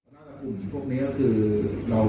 อันอื่นอ่ะก็เชื่อว่าอันอื่นไลน์